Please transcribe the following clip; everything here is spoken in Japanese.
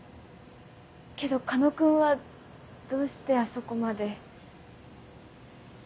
けど狩野君はどうしてあそこまで？